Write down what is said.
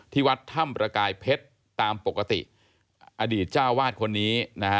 ตามปกติอดีตเจ้าวาดคนนี้